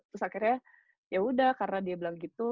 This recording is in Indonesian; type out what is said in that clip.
terus akhirnya yaudah karena dia bilang gitu